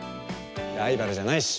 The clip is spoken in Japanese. ライバルじゃないし。